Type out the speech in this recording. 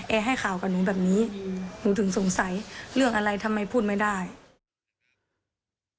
ให้ข่าวกับหนูแบบนี้หนูถึงสงสัยเรื่องอะไรทำไมพูดไม่ได้